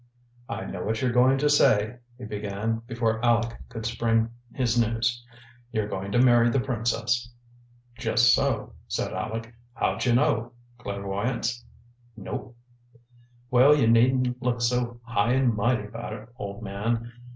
"I know what you're going to say," he began, before Aleck could spring his news. "You're going to marry the princess." "Just so," said Aleck. "How'd you know? Clairvoyance?" "Nope." "Well, you needn't look so high and mighty about it, old man.